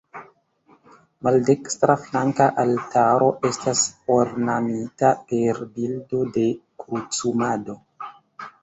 Maldekstra flanka altaro estas ornamita per bildo de Krucumado.